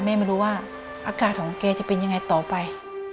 แม่ไม่รู้ว่าอาการของเกย์จะเป็นอย่างไรต่อไป